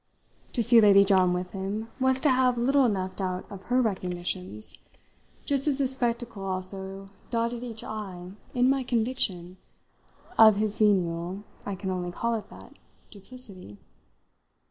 To see Lady John with him was to have little enough doubt of her recognitions, just as this spectacle also dotted each "i" in my conviction of his venial I can only call it that duplicity.